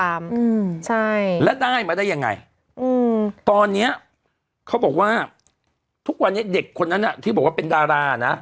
อืมใช่แล้วได้มาได้ยังไงอืมตอนเนี้ยเขาบอกว่าทุกวันนี้เด็กคนนั้นอ่ะที่บอกว่าเป็นดารานะ